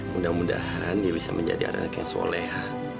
mudah mudahan dia bisa menjadi anak anak yang soleh